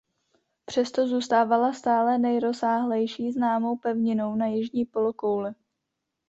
Přesto zůstávala stále nejrozsáhlejší známou pevninou na jižní polokouli.